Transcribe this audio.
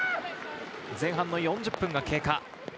前半４０分が経過。